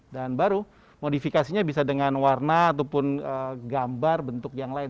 dan baru modifikasinya bisa dengan warna ataupun gambar bentuk yang lain